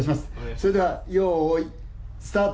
それでは、よーい、スタート。